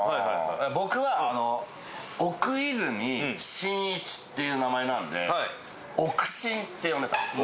僕は奥泉信一っていう名前なんでオクシンって呼んでたんです。